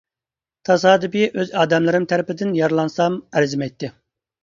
تاسادىپىي ئۆز ئادەملىرىم تەرىپىدىن يارىلانسام ئەرزىمەيتتى.